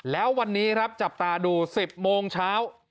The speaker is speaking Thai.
แล้ววันนี้ครับจับตาดู๑๐โมงเช้า